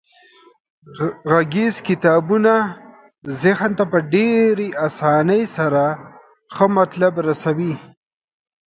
غږیز کتابونه ذهن ته په ډیرې اسانۍ سره ښه مطلب رسوي.